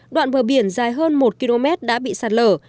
đoạn bờ biển dài hơn một km đã bị sạt lở